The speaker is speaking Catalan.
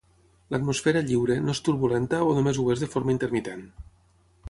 L'atmosfera lliure no és turbulenta o només ho és de forma intermitent.